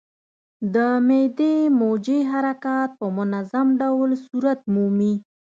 د معدې موجې حرکات په منظم ډول صورت مومي.